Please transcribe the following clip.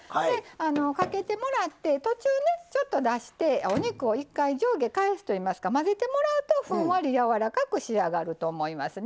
かけてもらって途中ねちょっと出してお肉を一回上下返すといいますか混ぜてもらうとふんわりやわらかく仕上がると思いますね。